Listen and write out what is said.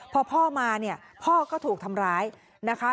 พอพ่อมาเนี่ยพ่อก็ถูกทำร้ายนะคะ